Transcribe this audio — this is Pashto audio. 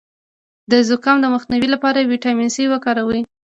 د زکام د مخنیوي لپاره ویټامین سي وکاروئ